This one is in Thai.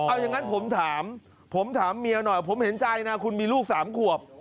เอาอย่างนั้นผมถามผมถามเมียหน่อยผมเห็นใจนะคุณมีลูก๓ขวบ